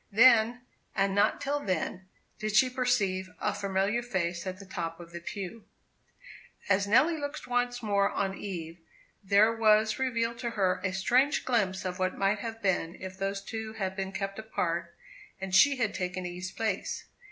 Then, and not till then, did she perceive a familiar face at the top of the pew. As Nelly looked once more on Eve, there was revealed to her a strange glimpse of what might have been if those two had been kept apart, and she had taken Eve's place.